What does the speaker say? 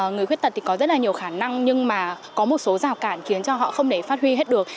người khuyết tật thì có rất là nhiều khả năng nhưng mà có một số rào cản khiến cho họ không thể phát huy hết được